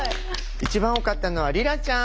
一番多かったのは莉良ちゃん。